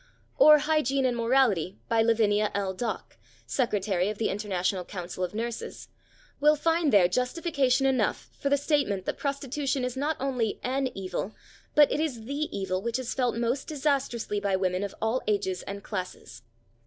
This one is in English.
or Hygiene and Morality, by Lavinia L. Dock (Secretary of the International Council of Nurses), will find there justification enough for the statement that prostitution is not only an evil, but it is the evil which is felt most disastrously by women of all ages and classes.